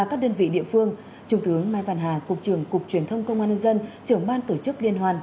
còn đối với đại biểu từ liên hoan